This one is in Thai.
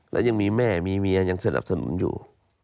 แล้วยังมีแม่มีเมียยังสนับสนุนอยู่